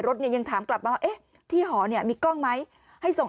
รถเนี่ยยังถามกลับมาว่าเอ๊ะที่หอเนี่ยมีกล้องไหมให้ส่ง